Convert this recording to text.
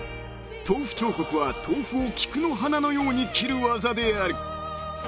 ［豆腐彫刻は豆腐を菊の花のように切る技である］